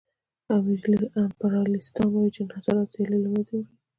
امپریالیستان وايي چې انحصارات سیالي له منځه وړي